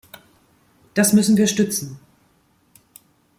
Das müssen wir stützen.